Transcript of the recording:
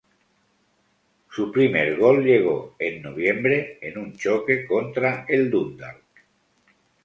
Su primer gol llegó en noviembre, en un choque contra el Dundalk.